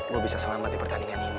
lo bisa selamat di pertandingan ini